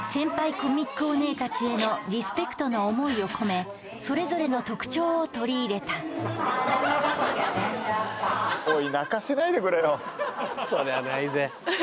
コミックオネエたちへのリスペクトの思いを込めそれぞれの特徴を取り入れたおい